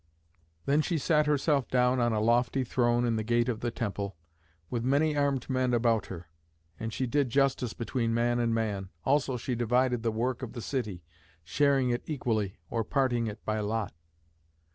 Then she sat herself down on a lofty throne in the gate of the temple, with many armed men about her. And she did justice between man and man; also she divided the work of the city, sharing it equally or parting it by lot.